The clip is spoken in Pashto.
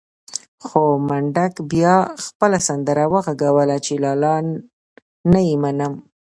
خو منډک بيا خپله سندره وغږوله چې لالا نه يې منم.